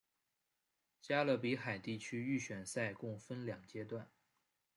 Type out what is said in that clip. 加勒比海地区预选赛共分两阶段。